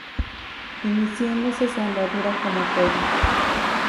Iniciándose su andadura como pueblo.